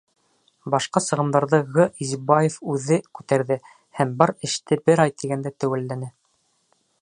Башҡа сығымдарҙы Г. Изибаев үҙе күтәрҙе һәм бар эште бер ай тигәндә теүәлләне.